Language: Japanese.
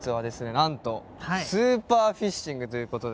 なんとスーパーフィッシングということで。